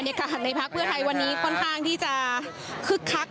การในพักเพื่อไทยวันนี้ค่อนข้างที่จะคึกคัก